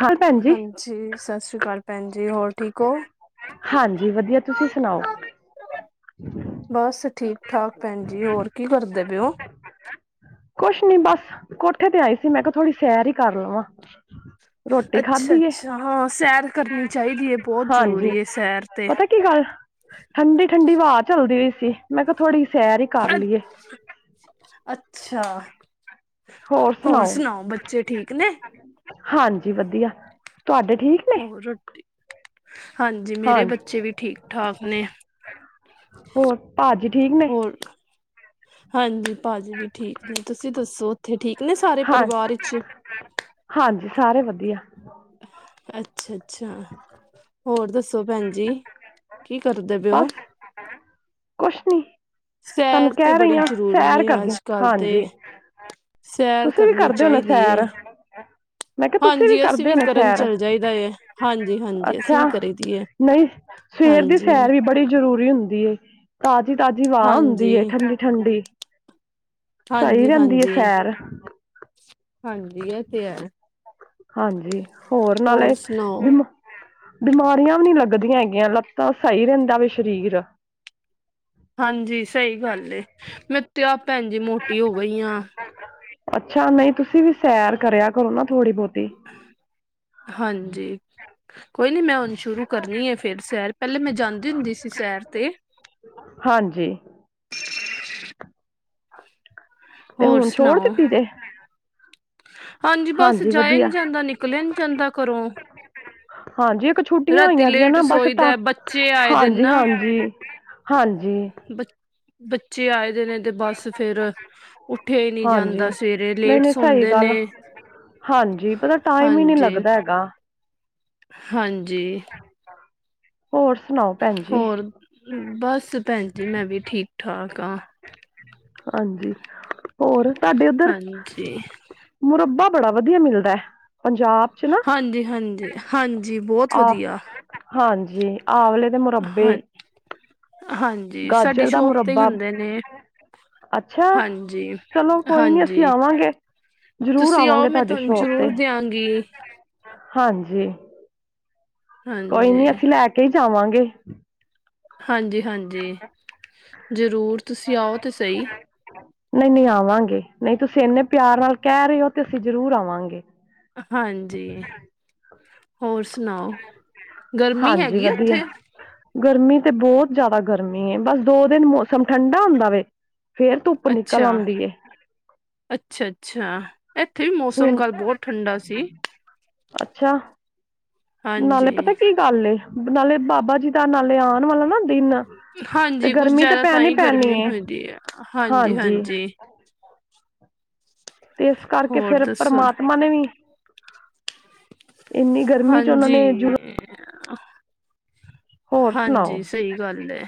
ਹਾਂ ਭੈਣ ਜੀ ਹਾਂਜੀ, 'ਸਤਿ ਸ੍ਰੀ ਅਕਾਲ' ਭੈਣ ਜੀ ਹੋਰ ਠੀਕ ਹੋ। ਹਾਂਜੀ ਵਧੀਆ ਤੁਸੀਂ ਸੁਣਾਓ। ਬਸ ਠੀਕ-ਠਾਕ ਭੈਣਜੀ ਹੋਰ ਕੀ ਕਰਦੇ ਪੇ ਓ? ਕੁਛ ਨੀ ਬਸ ਕੋਠੇ ਤੇ ਆਈ ਸੀ ਮੈਂ ਕਿਹਾ ਥੋੜੀ ਸੈਰ ਹੀ ਕਰ ਲਵਾਂ। ਰੋਟੀ ਅੱਛਾ ਖਾਧੀ ਏ ਅੱਛਾ ਹਾਂ ਸੈਰ ਕਰਨੀ ਚਾਹੀਦੀ ਏ ਬਹੁਤ ਹਾਂਜੀ ਜਰੂਰੀ ਏ ਸੈਰ ਤੇ। ਪਤਾ ਕੀ ਗੱਲ ਠੰਡੀ ਠੰਡੀ ਵਾ ਚੱਲਦੀ ਬਈ ਸੀ ਮੈਂ ਕਿਹਾ ਥੋੜੀ ਸੈਰ ਹੀ ਕਰ ਲੀਏ। ਅੱਛਾ ਹੋਰ ਸੁਣਾਓ ਬੱਚੇ ਠੀਕ ਨੇ। ਹਾਂਜੀ ਵਧੀਆ ਤੁਹਾਡੇ ਠੀਕ ਨੇ ਰੋਟੀ ਹਾਂਜੀ ਹਾਂ ਮੇਰੇ ਬੱਚੇ ਵੀ ਠੀਕ ਠਾਕ ਨੇ। ਹੋਰ ਭਾਜੀ ਠੀਕ ਨੇ। ਹੋਰ ਹਾਂਜੀ ਭਾਜੀ ਵੀ ਠੀਕ ਨੇ ਤੁਸੀਂ ਦੱਸੋ ਉੱਥੇ ਠੀਕ ਨੇ ਸਾਰੇ ਹਾਂ ਪਰਿਵਾਰ ਇੱਚ। ਹਾਂਜੀ ਸਾਰੇ ਵਧੀਆ। ਅੱਛਾ ਅੱਛਾ ਹੋਰ ਦੱਸੋ ਭੈਣ ਜੀ। ਕੀ ਕਰਦੇ ਬੇ ਓ। ਬਸ ਕੁਛ ਨੀ ਤੁਹਾਨੂੰ ਸੈਰ ਤੇ ਕਹਿ ਰਹੀ ਬੜੀ ਹਾਂ ਜ਼ਰੂਰੀ ਸੈਰ ਏ ਕਰਦੇ ਅੱਜ ਕੱਲ ਤੇ। ਹਾਂਜੀ ਸੈਰ ਤੁਸੀਂ ਵੀ ਕਰਨੀ ਕਰਦੇ ਹੋ ਨਾ ਚਾਹੀਦੀ ਏ। ਸੈਰ ਮੈਂ ਕਿਹਾ ਤੁਸੀਂ ਹਾਂਜੀ ਅਸੀਂ ਕਰਦੇ ਹੋ ਵੀ ਨਾ ਕਰਨ ਸੈਰ ਚੱਲ ਜਾਈਦਾ ਏ, ਹਾਂਜੀ ਹਾਂਜੀ ਅਸੀਂ ਵੀ ਕਰੀ ਦੀ ਏ। ਨਈ ਸਵੇਰ ਦੀ ਹਾਂਜੀ ਸੈਰ ਵੀ ਬੜੀ ਜ਼ਰੂਰੀ ਹੁੰਦੀ ਏ। ਤਾਜ਼ੀ ਤਾਜ਼ੀ ਵਾਹ ਹੁੰਦੀ ਹਾਂਜੀ ਏ ਠੰਡੀ ਠੰਡੀ ਸਈ ਹਾਂਜੀ ਰਹਿੰਦੀ ਏ ਹਾਂਜੀ ਸੈਰ। ਹਾਂਜੀ ਇਹ ਤੇ ਹੈ। ਹਾਂਜੀ ਹੋਰ ਨਾਲੇ। ਬਿਮਾਰੀਆਂ ਵੀ ਨੀ ਲੱਗਦੀਆਂ ਹੈਗੀਆਂ ਲੱਤਾਂ ਸਹੀ ਰਹਿੰਦਾ ਵੇ ਸਰੀਰ। ਹਾਂਜੀ ਸਈ ਗੱਲ ਏ ਮੈਂ ਤੇ ਆਪ ਭੈਣ ਜੀ ਮੋਟੀ ਹੋ ਗਈ ਆਂ। ਅੱਛਾ ਨਈ ਤੁਸੀਂ ਵੀ ਸੈਰ ਕਰਿਆ ਕਰੋ ਨਾ ਥੋੜ੍ਹੀ ਬਹੁਤੀ। ਹਾਂਜੀ ਕੋਈ ਨੀ ਮੈਂ ਹੁਣ ਸ਼ੁਰੂ ਕਰਨੀ ਏ ਫੇਰ ਸੈਰ ਪੈਲੇ ਮੈਂ ਜਾਂਦੀ ਹੁੰਦੀ ਸੀ ਸੈਰ ਤੇ। ਹਾਂਜੀ ਤੇ ਹੋਰ ਹੁਣ ਛੋੜ ਸੁਣਾਓ ਦਿੱਤੀ ਜੇ। ਹਾਂਜੀ ਬਸ ਜਾਏ ਨੀ ਜਾਂਦਾ ਨਿਕਲਿਆ ਨੀ ਜਾਂਦਾ ਘਰੋਂ। ਹਾਂਜੀ ਇੱਕ ਛੁੱਟੀਆਂ ਰਾਤੀ ਹੋਈਆਂ ਦੀਆਂ ਲੇਟ ਨਾ ਬਸ ਸੋਈਦਾ ਬੱਚੇ ਆਏ ਦੇ ਹਾਂਜੀ ਨਾ ਹਾਂਜੀ ਹਾਂਜੀ ਬ ਬੱਚੇ ਆਏ ਦੇ ਨੇ। ਤੇ ਬਸ ਫੇਰ ਉੱਠਿਆ ਈ ਨੀ ਹਾਂਜੀ ਜਾਂਦਾ ਸਵੇਰੇ ਨਹੀਂ ਲੇਟ ਨਹੀਂ ਸਹੀ ਸੋਂਦੇ ਨੇ। ਗੱਲ ਹਾਂਜੀ ਪਤਾ ਟਾਈਮ ਈ ਨੀ ਹਾਂਜੀ ਲੱਗਦਾ ਹੈਗਾ। ਹਾਂਜੀ। ਹੋਰ ਸੁਣਾਓ? ਭੈਣ ਜੀ ਹੋਰ, ਬਸ ਭੈਣ ਜੀ ਮੈਂ ਵੀ ਠੀਕ-ਠਾਕ ਆ। ਹਾਂਜੀ, ਹੋਰ ਤਾਡੇ ਓਧਰ ਹਾਂਜੀ ਮੁਰੱਬਾ ਬੜਾ ਵਧੀਆ ਮਿਲਦਾ ਐ ਪੰਜਾ ਬ ਚ ਨਾ ਹਾਂਜੀ ਹਾਂਜੀ ਹਾਂਜੀ ਬਹੁਤ ਆ, ਵਧੀਆ ਹਾਂਜੀ ਆਵਲੇ ਦੇ ਮੁਰੱਬੇ। ਹਾਂ ਹਾਂਜੀ ਸਾਡੀ ਗਾਜਰ ਦਾ ਸ਼ੋਪ ਤੇ ਈ ਮੁਰੱਬਾ ਹੁੰਦੇ ਨੇ। ਅੱਛਾ, ਹਾਂਜੀ ਚਲੋ ਕੋਈ ਨੀ ਅਸੀਂ ਹਾਂਜੀ ਆਵਾਂਗੇ। ਜ਼ਰੂਰ ਤੁਸੀਂ ਆਓ ਆਵਾਂਗੇ ਮੈਂ ਤੁਹਾਡੀ ਤੁਹਾਨੂੰ ਸ਼ੋਪ ਤੇ, ਜ਼ਰੂਰ ਦਿਆਂਗੀ ਹਾਂਜੀ। ਕੋਈ ਨੀ ਹਾਂਜੀ ਅਸੀਂ ਲੈ ਕੇ ਈ ਜਾਵਾਂਗੇ। ਹਾਂਜੀ-ਹਾਂਜੀ, ਜ਼ਰੂਰ ਤੁਸੀਂ ਆਓ ਤੇ ਸਹੀ। ਨ‌ਈ-ਨ‌ਈ ਆਵਾਂਗੇ ਨ‌ਈ ਤੁਸੀਂ ਐਨੇ ਪਿਆਰ ਨਾਲ ਕਹਿ ਰਹੇ ਓ ਤੇ ਅਸੀਂ ਜ਼ਰੂਰ ਆਵਾਂਗੇ। ਹਾਂਜੀ, ਹੋਰ ਸੁਣਾਓ ਗਰਮੀ ਹਾਂਜੀ ਹੈਗੀ ਉਥੇ? ਵਧੀਆ ਗਰਮੀ ਤੇ ਬਹੁਤ ਜਾਦਾ ਗਰਮੀ ਏ ਬਸ ਦੋ ਦਿਨ ਮੌਸਮ ਠੰਡਾ ਹੁੰਦਾ ਵੇ। ਫੇਰ ਧੁੱਪ ਨਿਕਲ ਆਦੀ ਏ। ਅੱਛਾ-ਅੱਛਾ, ਏਥੇ ਵੀ ਮੌਸਮ ਹੁਣ ਕੱਲ ਬਹੁਤ ਠੰਡਾ ਸੀ। ਅੱਛਾ। ਨਾਲੇ ਹਾਂਜੀ ਪਤਾ ਕੀ ਗੱਲ ਏ ਨਾਲੇ ਬਾਬਾ ਜੀ ਦਾ ਨਾਲੇ ਆਣ ਵਾਲਾ ਨਾ ਦਿਨ, ਤੇ ਹਾਂਜੀ ਕੁਛ ਗਰਮੀ ਤਾਂ ਜ਼ਿਆਦਾ ਪੈਣ ਹੀ ਪੈਣੀ ਗਰਮੀ ਏ, ਹੁੰਦੀ ਹੈ ਹਾਂਜੀ। ਤੇ ਇਸ ਕਰਕੇ ਹੋਰ ਫੇਰ ਦੱਸੋ ਪਰਮਾਤਮਾ ਨੇ ਵੀ ਇੰਨੀ ਗਰਮੀ ਚ ਉਹਨਾਂ ਹਾਂਜੀ। ਨੇ ਜੁ ਹੋਰ ਸੁਣਾਓ ਹਾਂਜੀ ਸਹੀ ਗੱਲ ਐ।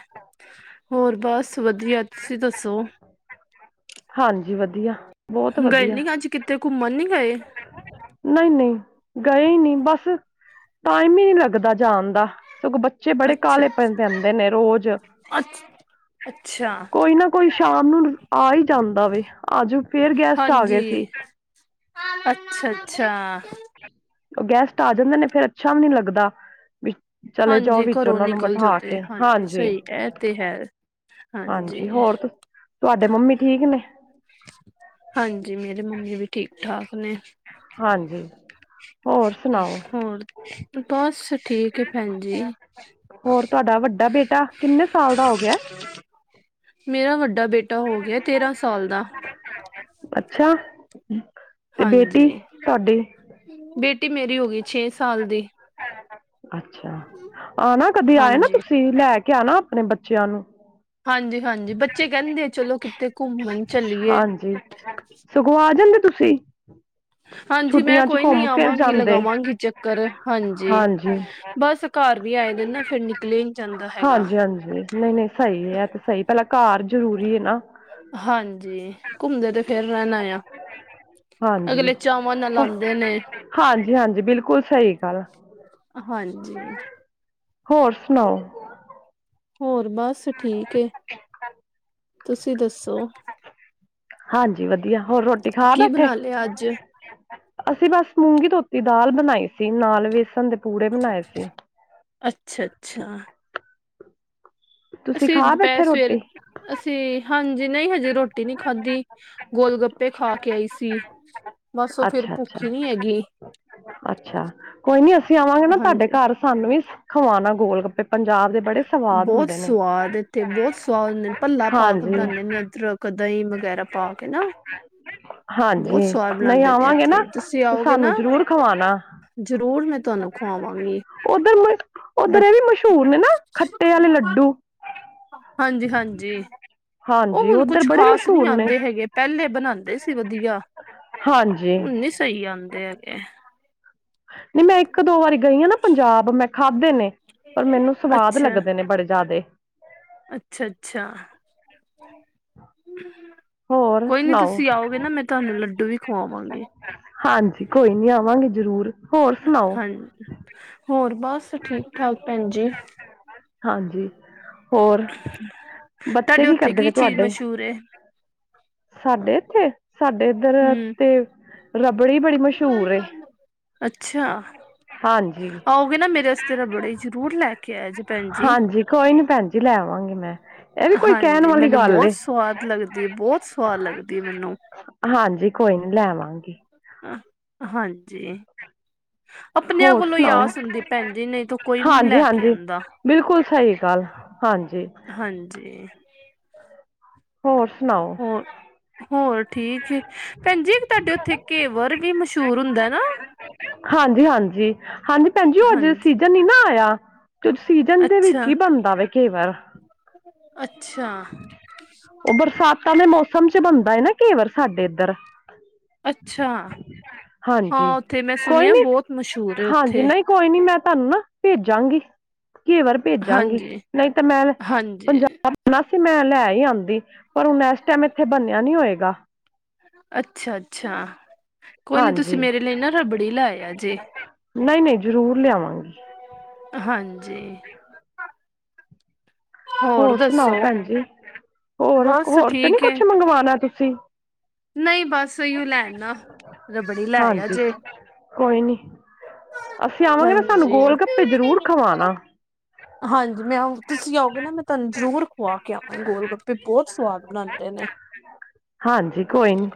ਹੋਰ ਬਸ ਵਧੀਆ, ਤੁਸੀਂ ਦੱਸੋ? ਹਾਂਜੀ ਵਧੀਆ। ਬਹੁਤ ਗਏ ਵਧੀਆ ਨੀ ਅੱਜ ਕਿਤੇ ਘੁੰਮਣ ਨੀ ਗਏ? ਨ‌ਈ-ਨ‌ਈ, ਗਏ ਈ ਨੀ ਬਸ ਟਾਈਮ ਈ ਨੀ ਲੱਗਦਾ ਜਾਣ ਦਾ ਸਗੋਂ ਬੱਚੇ ਬੱਚੇ ਬੜੇ ਅੱਛਾ ਕਾਲੇ ਪ‌ਏ ਪੈਦੇ ਨੇ ਰੋਜ਼। ਅੱਛਾ ਅੱਛ ਅੱਛਾ। ਕੋਈ ਨਾ ਕੋਈ ਸ਼ਾਮ ਨੂੰ ਆ ਈ ਜਾਂਦਾ ਵੇ ਅੱਜ ਫੇਰ ਗੈਸਟ ਆ ਗਏ ਸੀ। ਅੱਛਾ-ਅੱਛਾ। ਗੈਸਟ ਆ ਜਾਂਦੇ ਨੇ ਫੇਰ ਅੱਛਾ ਵੀ ਨੀ ਲੱਗਦਾ ਵੀ ਚਲੇ ਜਾਓ ਹਾਂਜੀ ਵਿੱਚ ਘਰੋਂ ਉਹਨਾਂ ਨੂੰ ਨਿਕਲ ਜੋ ਬਿਠਾ ਤੇ, ਕੇ ਹਾਂਜੀ ਸਹੀ ਕਹਿ ਤੇ ਹੈ। ਹਾਂਜੀ ਹੋਰ ਤੁ ਤੁਹਾਡੇ ਮੰਮੀ ਠੀਕ ਨੇ? ਹਾਂਜੀ ਮੇਰੇ ਮੰਮੀ ਵੀ ਠੀਕ-ਠਾਕ ਨੇ। ਹਾਂਜੀ। ਹੋਰ ਸੁਣਾਓ ਹੋਰ, ਤੇ ਬਸ ਠੀਕ ਐ ਭੈਣ ਜੀ। ਹੋਰ ਤੁਹਾਡਾ ਵੱਡਾ ਬੇਟਾ ਕਿੰਨੇ ਸਾਲ ਦਾ ਹੋ ਗਿਆ ਮੇਰਾ ਵੱਡਾ ਬੇਟਾ ਹੋ ਗਿਆ ਤੇਰਾਂ ਸਾਲ ਦਾ। ਅੱਛਾ। ਤੇ ਬੇਟੀ ਹਾਂਜੀ, ਤੁਹਾਡੀ ਬੇਟੀ ਮੇਰੀ ਹੋ ਗਈ ਛੇ ਸਾਲ ਦੀ। ਅੱਛਾ, ਆ ਨਾ ਕਦੇ ਆਏ ਨਾ ਹਾਂਜੀ ਤੁ ਸੀ ਲੈ ਕੇ ਆਣਾ ਆਪਣੇ ਬੱਚਿਆਂ ਨੂੰ। ਹਾਂਜੀ-ਹਾਂਜੀ ਬੱਚੇ ਕਹਿੰਦੇ ਆ ਚਲੋ ਕਿਤੇ ਘੁੰਮਣ ਚਲੀਏ। ਹਾਂਜੀ ਸਗੋਂ ਆ ਜਾਂਦੇ ਤੁਸੀਂ। ਹਾਂਜੀ ਮੈਂ ਛੁੱਟੀਆਂ 'ਚ ਕੋਈ ਨੀ ਘੁੰਮ ਫਿਰ ਆਵਾਂਗੀ ਜਾਂਦੇ ਲਗਾਵਾਂਗੀ ਚੱਕਰ ਹਾਂਜੀ, ਬਸ ਘਰ ਵੀ ਆਏ ਦਿਨ ਨਾ ਫੇਰ ਨਿਕਲਿਆ ਏ ਨੀ ਜਾਂਦਾ ਹੈਗਾ। ਹਾਂਜੀ ਹਾਂਜੀ। ਨਈ-ਨਈ ਸਈ ਐ 'ਤੇ ਸਈ ਪੈਲਾ ਘਰ ਜ਼ਰੂਰੀ ਏ ਨਾ। ਹਾਂਜੀ ਘੁੰਮਦੇ 'ਤੇ ਫੇਰ ਰੈਂਨਾ ਆ। ਹਾਂਜੀ, ਅਗਲੇ ਚਾਵਾਂ ਨਾਲ ਆਉਂਦੇ ਨੇ ਹਾਂਜੀ-ਹਾਂਜੀ ਬਿਲਕੁੱਲ ਸਈ ਗੱਲ। ਹਾਂਜੀ। ਹੋਰ ਸੁਣਾਓ? ਹੋਰ ਬਸ ਠੀਕ ਏ, ਤੁਸੀਂ ਦੱਸੋ? ਹਾਂਜੀ ਵਧੀਆ ਹੋਰ ਰੋਟੀ ਖਾ ਕੀ ਬੈਠੇ? ਬਣਾ ਲਿਆ ਅੱਜ ਅਸੀਂ ਬਸ ਮੂੰਗੀ ਧੋਤੀ ਦਾਲ ਬਣਾਈ ਸੀ ਨਾਲ ਵੇਸਣ ਦੇ ਪੂੜੇ ਬਣਾਏ ਸੀ। ਅੱਛਾ-ਅੱਛਾ। ਤੁਸੀਂ ਅਸੀਂ ਖਾ ਦੁਪੈਰ, ਬੈਠੇ ਸਵੇਰ ਰੋਟੀ ਅਸੀਂ ਹਾਂਜੀ ਨਈ ਹਜੇ ਰੋਟੀ ਨੀ ਖਾਧੀ, ਗੋਲ ਗੱ ਪੇ ਖਾ ਕੇ ਆਈ ਸੀ। ਬਸ ਉਹ ਫਿਰ ਅੱਛਾ-ਅੱਛਾ, ਭੁੱਖ ਹੀ ਨਹੀਂ ਹੈਗੀ ਅੱਛਾ ਕੋਈ ਨੀ ਅਸੀਂ ਆਵਾਂਗੇ ਨਾ ਤੁਹਾਡੇ ਹਾਂਜੀ ਘਰ ਸਾਨੂੰ ਵੀ ਖਵਾਣਾ ਗੋਲ ਗੱਪੇ ਪੰਜਾਬ ਦੇ ਬੜੇ ਸਵਾਦ ਬੋਤ ਹੁੰਦੇ ਨੇ ਸਵਾਦ ਇੱਥੇ ਬੋ ਸਵਾਦ ਹੁੰਦੇ ਨੇ ਭੱਲਾ ਪਾ ਕੇ ਹਾਂਜੀ ਬਣਾਦੇ ਨੇ ਅਦਰ ਕ, ਦਈ ਵਗੈਰਾ ਪਾ ਕੇ ਨਾ। ਬਹੁਤ ਹਾਂਜੀ ਸਵਾਦ ਨਈ ਬਣਾਉਂਦੇ ਨੇ ਆਵਾਂਗੇ ਨਾ ਇੱਥੇ ਤੁਸੀਂ 'ਤੇ ਆਓਗੇ ਸਾਨੂੰ ਨਾ ਜ਼ਰੂਰ ਖਵਾਣਾ। ਜ਼ਰੂਰ ਮੈਂ ਤੁਹਾਨੂੰ ਖਵਾਵਾਂਗੀ ਉੱਧਰ‌ ਮਸ ਬ ਉੱਧਰ ਏ ਵੀ ਮਸ਼ਹੂਰ ਨੇ ਨਾ ਖੱਟੇ ਆਲੇ ਲੱਡੂ। ਹਾਂਜੀ-ਹਾਂਜੀ। ਉਹ ਹਾਂਜੀ ਹੁਣ ਉਧਰ ਕੁਛ ਬੜੇ ਖ਼ਾਸ ਨਹੀਂ ਮਸ਼ਹੂਰ ਨੇ ਆਉਂਦੇ ਹੈਗੇ ਪਹਿਲੇ ਬਣਾਉਂਦੇ ਸੀ ਵਧੀਆ, ਹਾਂਜੀ। ਹੁਣ ਨੀ ਸਹੀ ਆਂਦੇ ਹੈਗੇ। ਨਹੀਂ ਮੈਂ ਇੱਕ ਦੋ ਵਾਰੀ ਗਈ ਹਾਂ ਨਾ ਪੰਜਾਬ ਮੈਂ ਖਾਧੇ ਨੇ, ਪਰ ਮੈਨੂੰ ਸਵਾਦ ਲੱਗਦੇ ਨੇ ਬੜੇ ਜਿਆਦੇ। ਅੱਛਾ, ਅੱਛਾ। ਹੋਰ ਕੋਈ ਨੀ ਸੁਣਾਓ ਤੁਸੀਂ ਆਓਗੇ ਨਾ, ਮੈਂ ਤੁਹਾਨੂੰ ਲੱਡੂ ਵੀ ਖਵਾਵਾਂਗੀ। ਹਾਂਜੀ ਕੋਈ ਨੀ ਆਵਾਂਗੇ ਜ਼ਰੂਰ। ਹੋਰ ਸੁਣਾਓ ਹਾਂ ਹੋਰ ਬਸ ਠੀਕ ਠਾਕ ਭੈਣ ਜੀ। ਹਾਂਜੀ, ਹੋਰ ਬੱਚੇ ਕੀ ਕਰਦੇ ਪਏ ਤੁਹਾਡੇ, ਓਰੇ ਸਾਡੇ ਇੱਥੇ ਸਾਡੇ ਇੱਧਰ ਹੂੰ ਤੇ ਰਬੜੀ ਬੜੀ ਮਸ਼ਹੂਰ ਏ, ਅੱਛਾ। ਹਾਂਜੀ ਆਓਗੇ ਨਾ ਮੇਰੇ ਵਾਸਤੇ ਰਬੜੀ ਜ਼ਰੂਰ ਲੈ ਕੇ ਆਯਾ ਜੇ ਭੈਣ ਜੀ, ਹਾਂਜੀ ਕੋਈ ਨੀ ਭੈਣ ਜੀ ਲੈ ਆਵਾਂਗੀ ਮੈਂ ਇਹ ਵੀ ਕੋਈ ਕਹਿਣ ਹਾਂਜੀ ਵਾਲੀ ਮੈਨੂੰ ਗੱਲ ਬਹੁਤ ਏ ਸਵਾਦ ਲੱਗਦੀ ਬਹੁਤ ਸਵਾਦ ਲੱਗਦੀ ਮੈਨੂੰ। ਹਾਂਜੀ ਕੋਈ ਨੀ ਲੈਵਾਂਗੀ। ਹਾਂਜੀ। ਆਪਣਿਆਂ ਹੋਰ ਕੋਲੋਂ ਈ ਸੁਣਾਓ ਆਸ ਹੁੰਦੀ ਭੈਣ ਜੀ ਨਹੀਂ ਤਾਂ ਕੋਈ ਵੀ ਨਹੀਂ ਹਾਂਜੀ ਲੈ ਕੇ ਹਾਂਜੀ ਆਉਂਦਾ। ਬਿਲਕੁਲ ਸਹੀ ਗੱਲ ਹਾਂਜੀ। ਹਾਂਜੀ। ਹੋਰ ਸੁਣਾਓ। ਹੋਰ ਹੋਰ ਠੀਕ ਹੈ, ਭੈਣ ਜੀ ਤੁਹਾਡੇ ਉੱਥੇ ਕੇਵਰ ਵੀ ਮਸ਼ਹੂਰ ਹੁੰਦਾ ਨਾ। ਹਾਂਜੀ-ਹਾਂਜੀ, ਹਾਂਜੀ ਭੈਣ ਜੀ ਏਧਰ ਹਾਂਜੀ ਸੀ। ਸੀਜਨ ਨੀ ਨਾ ਆਯਾ, ਸੀਜਨ ਦੇ ਵਿੱਚ ਅੱਛਾ ਈ ਬਨਦਾ ਵੇ ਕੇਵਰ। ਅੱਛਾ। ਓ ਬਰਸਾਤਾਂ ਦੇ ਮੌਸਮ ਚ ਬਨਦਾ ਏ ਨਾ ਕੇਵਰ, ਸਾਡੇ ਏਧਰ। ਅੱਛਾ, ਹਾਂਜੀ ਹਾਂ ਓਥੇ ਮੈਂ ਕੋਈ ਸੁਨੇਆ ਨੀ ਬੋਤ ਮਸ਼ੁਰ ਐ ਹਾਂਜੀ ਉੱਥੇ। ਨਹੀਂ ਕੋਈ ਨੀ ਮੈਂ ਤਾਨੂੰ ਨਾ ਭੇਜਾਂਗੀ, ਘੇਵਰ ਭੇਜਾਂਗੀ ਹਾਂਜੀ ਨਈਂ ਤਾਂ ਮੈਂ ਹਾਂਜੀ। ਪੰਜਾਬ ਸੀ ਮੈਂ ਲੈ ਈ ਆਂਦੀ ਪਰ ਹੁਨ ਏਸ ਟੈਮ ਏਥੇ ਬਨੇਆ ਨੀ ਹੋਏਗਾ। ਅੱਛਾ-ਅੱਛਾ, ਕੋਈ ਨੀ ਤੁਸੀਂ ਹਾਂਜੀ ਮੇਰੇ ਲਈ ਨਾ ਰਬੜੀ ਲੈਯਾ ਜੇ। ਨਈਂ-ਨਈਂ ਜਰੂਰ ਲਿਆਵਾਂਗੀ। ਹਾਂਜੀ। ਹੋਰ ਸੁਨਾਓ ਭੈਣ ਜੀ, ਹੋਰ ਬਸ ਹੋਰ ਤੇ ਨੀ ਠੀਕ ਏ ਕੁਛ ਮੰਗਵਾਣਾ ਤੁਸੀ? ਨਹੀਂ ਬਸ ਇਹੀਓ ਲੈਣ ਆ ਰਬੜੀ ਲੈ ਆ ਹਾਂਜੀ। ਜੇ ਕੋਈ ਨੀ, ਅਸੀਂ ਆਵਾਂਗੇ ਨਾ ਸਾਨੂੰ ਹਾਂਜੀ ਗੋਲ ਗੱਪੇ ਜਰੂਰ ਖਵਾਨਾ। ਹਾਂਜੀ, ਮੈਂ ਤੁਸੀ ਆਓਗੇ ਨਾ ਮੈਂ ਤਾਨੂੰ ਜਰੂਰ ਖੁਵਾ ਕੇ ਆਵਾਂ, ਗੋਲ ਗੱਪੇ ਬੋਤ ਸਵਾਦ ਬਨਾਂਦੇ ਨੇ। ਹਾਂਜੀ ਕੋਈ ਨੀ,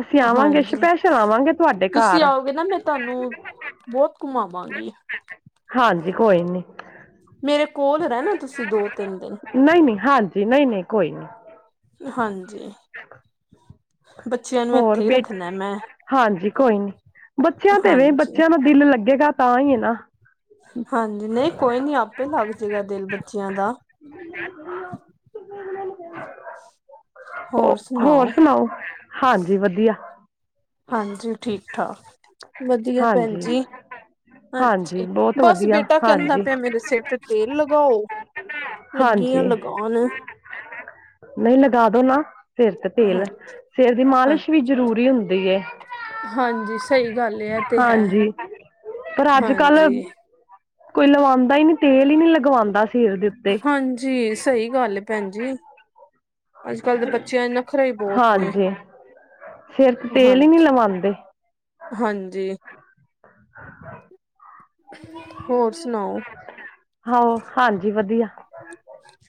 ਅਸੀ ਆਵਾਂਗੇ ਹਾਂਜੀ ਸਪੈਸ਼ਰ ਆਵਾਂਗੇ। ਤੁਹਾਡੇ ਤੁਸੀਂ ਘਰ ਆਓਗੇ ਨਾ ਮੈਂ ਤਾਨੂੰ ਬੋਤ ਘੁਮਾਵਾਂਗੀ। ਹਾਂਜੀ, ਕੋਈ ਨੀ। ਮੇਰੇ ਕੋਲ ਰੈਨਾ, ਤੁਸੀਂ ਦੋ-ਤੇਂਨ ਦਿਨ। ਨਈਂ-ਨਈਂ, ਹਾਂਜੀ ਨਈਂ-ਨਈਂ ਕੋਈ ਨਈਂ। ਹਾਂਜੀ। ਬੱਚਿਆਂ ਨੂੰ ਹੋਰ ਇੱਥੇ ਹੀ ਬੇਟਾ ਰੱਖਣਾ ਮੈਂ [unintelligible] ਬੱਚੇਆਂ ਤੇਵੇਂ ਹਾਂਜੀ ਬੱਚੇ ਆਂ ਦਾ ਦਿਲ ਲੱਗੇਗਾ ਤਾਂ ਈਏ ਨਾ। ਹਾਂਜੀ, ਨਈਂ ਕੋਈ ਨੀ ਆਪੇ ਲੱਗ ਜੇਗਾ ਦੇਲ ਬੱਚੇਆਂ ਦਾ। [inaudible] [inaudible] ਹੋਰ ਸੁਨਾ ਹੋਰ ਸੁਨਾਓ। ਹਾਂਜੀ, ਵਧੀਆ। ਹਾਂਜੀ, ਠੀਕ-ਠਾਕ। ਵਧੀਆ ਭੈਣ ਹਾਂਜੀ ਜੀ, ਹਾਂਜੀ ਅੱਛਾ ਬਹੁਤ ਬਸ ਵਧੀਆ ਬੇਟਾ ਕੈਂਦਾ ਹਾਂਜੀ ਪੇਆ ਮੇਰੇ ਸਿਰ ਤੇ ਤੇ ਲਗਾਓ, ਲੱਗੀਆਂ ਲਗਾਨ। ਨਈਂ, ਲਗਾ ਦੋ ਨਾ ਸੇਰ ਤੇ ਤੇਲ। ਹਾਂਜੀ ਸੇਰ ਦੀ ਹਾਂਜੀ ਮਾਲਿਸ਼ ਵੀ ਜ਼ਰੂਰੀ ਹੁੰਦੀ ਏ। ਹਾਂਜੀ ਸਹੀ ਗੱਲ ਏ, ਐ ਤੇ ਹੈ, ਹਾਂਜੀ ਪਰ ਅੱਜ ਕੱਲ ਹਾਂਜੀ। ਕੋਈ ਲਵਾਂਦਾ ਈਨੀ ਤੇਲ ਈ ਨੀ ਲਗਵਾਂਦਾ ਸੇਰ ਦੇ ਉੱਤੇ ਹਾਂਜੀ, ਸਈ ਗੱਲ ਏ, ਭੈਣ ਜੀ। ਅੱਜ-ਕੱਲ੍ਹ ਦੇ ਬੱਚੇਆਂ 'ਚ ਨੱਖਰੇ ਈ ਬੋਤ ਨੇ। ਸੇਰ ਤੇ ਤੇਲ ਈ ਨੀਂ ਹਾਂਜੀ ਲਵਾਂਦੇ। ਹਾਂਜੀ। ਹੋਰ ਸੁਨਾਓ। ਆਹੋ ਹਾਂਜੀ ਵਧੀਆ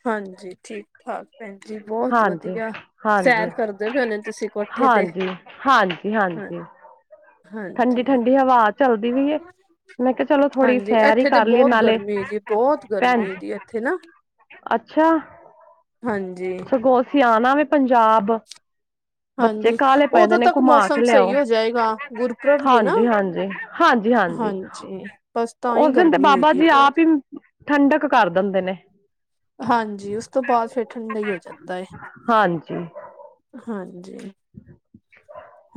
ਹਾਂਜੀ, ਠੀਕ-ਠਾਕ। ਭੈਨ ਜੀ, ਬੋਤ ਹਾਂਜੀ ਵਧੀਆ ਸੈਰ ਹਾਂਜੀ ਕਰਦੇ ਪਏ ਹੋਨੇ ਤੂਸੀਂ ਕੋਠੇ ਤੇ। ਹਾਂ ਹਾਂਜੀ-ਹਾਂਜੀ, ਹਾਂਜੀ। ਠੰਢੀ-ਠੰਢੀ ਹਵਾ ਚੱਲਦੀ ਵੀਏ। ਮੈਂ ਕਿਹਾ ਚਲੋ ਥੋੜ੍ਹੀ ਹਾਂਜੀ ਸੈਰ ਇੱਥੇ ਤੇ ਕਰ ਲਈਏ ਬਹੁਤ ਨਾਲੇ ਗਰਮੀ ਜੀ ਬਹੁਤ ਭੈਣ ਗਰਮੀ ਜੀ ਇੱਥੇ ਨਾ ਅੱਛਾ ਹਾਂਜੀ ਅਸੀ ਆਣਾ ਵ ਪੰਜਾਬ ਬੱਚੇ ਹਾਂਜੀ ਕਾਹਲੇ ਪੈਂਦੇ ਉਦੋਂ ਨੇ ਤੱਕ ਘੁਮਾ ਕੇ ਮੌਸਮ ਲਿਆਓ ਸਹੀ ਹੋ ਜਾਏਗਾ ਗੁਰਪੁਰਬ ਹੀ ਹੈ ਨਾ ਹਾਂਜੀ ਹਾਂਜੀ ਹਾਂਜੀ ਹਾਂਜੀ ਬਸ ਤਾਂ ਹੀ ਉਸ ਦਿਨ ਤੇ ਗਰਮੀ ਹੋਈ ਬਾਬਾ ਦੀ ਜੀ ਆਪ ਬਹੁਤ ਹੀ ਠੰਡਕ ਕਰ ਦਿੰਦੇ ਨੇ ਹਾਂਜੀ ਉਸ ਤੋਂ ਬਾਅਦ ਫੇਿਰ ਠੰਡਾ ਹੀ ਹੋ ਜਾਂਦਾ ਹੈ ਹਾਂਜੀ ਹਾਂਜੀ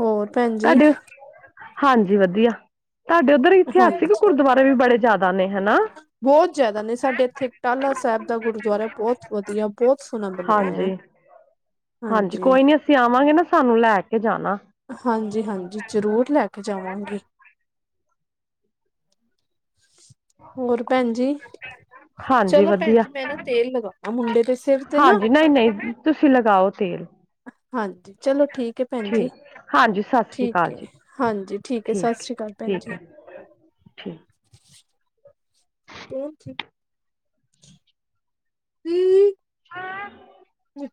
ਹੋਰ ਭੈਣ ਜੀ ਤੁਹਾਡੇ ਹਾਂਜੀ ਵਧੀਆ ਤੁਹਾਡੇ ਉੱਧਰ ਇਤਿਹਾਸਿਕ ਹਾਂਜੀ। ਗੁਰਦੁਆਰੇ ਵੀ ਬੜੇ ਜ਼ਿਆਦਾ ਨੇ ਹਨਾ ਬਹੁਤ ਜਿਆਦਾ ਨੇ ਸਾਡੇ ਇੱਥੇ ਟਾਲਾ ਸਾਹਿਬ ਦਾ ਗੁਰੂਦੁਆਰਾ ਬਹੁਤ ਵਧੀਆ ਬਹੁਤ ਸੋਹਣਾ ਬਣਿਆ ਆ ਹਾਂਜੀ [inaudible] ਹਾਂਜੀ ਕੋਈ ਨੀ ਅਸੀਂ ਆਵਾਂਗੇ ਨਾ ਸਾਨੂੰ ਲੈ ਕੇ ਜਾਣਾ ਹਾਂਜੀ ਹਾਂਜੀ ਜ਼ਰੂਰ ਲੈ ਕੇ ਜਾਵਾਂਗੇ ਹੋਰ ਭੈਣ ਜੀ ਹਾਂਜੀ ਚਲੋ ਭੈਣ ਵਧੀਆ ਜੀ ਮੈਂ ਨਾ ਤੇਲ ਲਗਾਣਾ ਮੁੰਡੇ ਦੇ ਸਿਰ ਤੇ ਨਾ ਸਾਓ ਤੇਲ ਹਾਂਜੀ ਚਲੋ ਠੀਕ ਹੈ ਭੈਣ ਜੀ ਠੀਕ ਹਾਂਜੀ ਸਤ ਠੀਕ ਹੈ ਹਾਂਜੀ ਠੀਕ ਹੈ ਸਤਿ ਸ਼੍ਰੀ ਅਕਾਲ ਭੈਣ ਠੀਕ ਜੀ ਹੈ ਠੀਕ [unintelligible] [unintelligible] [unintelligible] ਇੱਕ